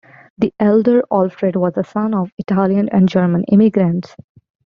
The elder Alfred was the son of Italian and German immigrants.